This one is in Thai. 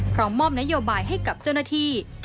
พร้อมมอบนโยบายให้กับเจ้าหน้าที่